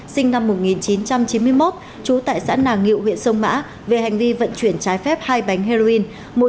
sinh năm một nghìn chín trăm chín mươi một trú tại xã nàng ngự huyện sông mã về hành vi vận chuyển trái phép hai bánh heroin